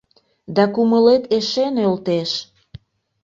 Да кумылет эше нöлтеш.